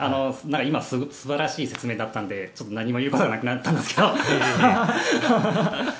今、素晴らしい説明だったのでちょっと何も言うことがなくなったんですけど。